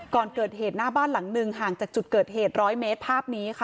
ก่อนเกิดเหตุหน้าบ้านหลังหนึ่งห่างจากจุดเกิดเหตุ๑๐๐เมตรภาพนี้ค่ะ